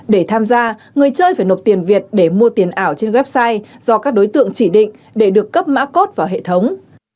để tham gia người chơi phải nộp tiền việt để mua tiền ảo trên website do các đối tượng chỉ định để được cấp mã cốt vào hệ thống